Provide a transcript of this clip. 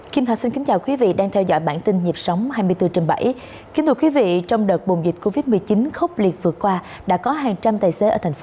kính thưa quý vị trong đợt bùng dịch covid một mươi chín khốc liệt vừa qua đã có hàng trăm tài xế ở thành phố